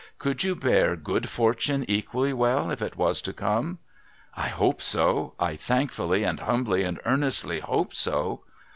Could you bear good fortune equally well, if it was to come ?'' I hope so. I thankfully and humbly and earnestly hope BO